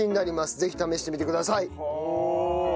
ぜひ試してみてください。